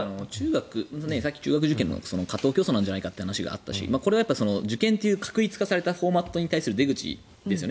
さっき、中学受験過当競争なんじゃないかって話があったしこれが受験という画一化されたフォーマットに対する出口ですよね。